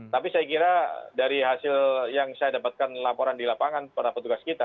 tapi saya kira dari hasil yang saya dapatkan laporan di lapangan para petugas kita